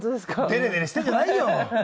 デレデレしているんじゃないよ。